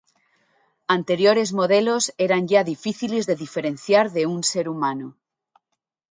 Anteriores modelos eran ya difíciles de diferenciar de un ser humano.